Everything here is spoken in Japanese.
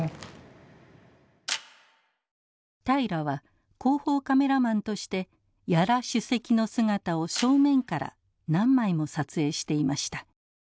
平良は広報カメラマンとして屋良主席の姿を正面から何枚も撮影していました。